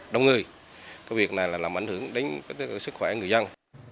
đông người cái việc này là làm ảnh hưởng đến sức khỏe người dân